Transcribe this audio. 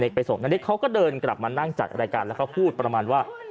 ไปส่งนาริสเขาก็เดินกลับมานั่งจัดรายการแล้วเขาพูดประมาณว่า